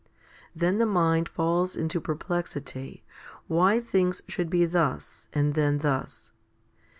Then the mind falls into perplexity, why things should be thus and then thus.